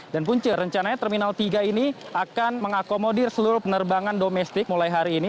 dan punca rencananya terminal tiga ini akan mengakomodir seluruh penerbangan domestik mulai hari ini